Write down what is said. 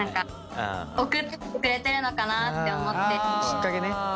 きっかけね。